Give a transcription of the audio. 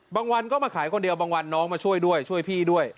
บางวันก็มาขายคนเดียวบางวันน้องมาช่วยด้วยช่วยพี่ด้วย